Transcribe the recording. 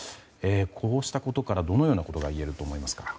こうしたことからどのようなことが言えると思いますか。